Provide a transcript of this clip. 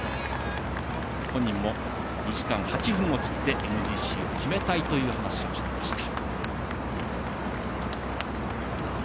本人も、２時間８分を切ってＭＧＣを決めたいという話をしていました。